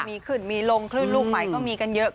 มีขึ้นมีลงคลื่นลูกใหม่ก็มีกันเยอะ